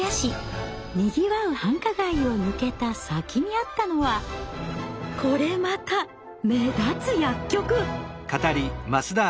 にぎわう繁華街を抜けた先にあったのはこれまた目立つ薬局！